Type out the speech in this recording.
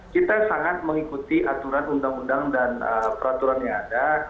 kita sangat mengikuti aturan undang undang dan peraturan yang ada